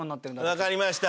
わかりました。